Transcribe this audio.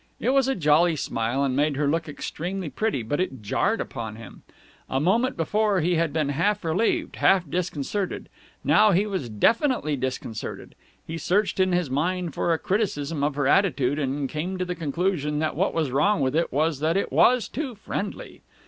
It was a jolly smile, and made her look extremely pretty, but it jarred upon him. A moment before he had been half relieved, half disconcerted: now he was definitely disconcerted. He searched in his mind for a criticism of her attitude, and came to the conclusion that what was wrong with it was that it was too friendly.